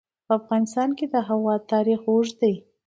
په افغانستان کې د هوا تاریخ اوږد دی.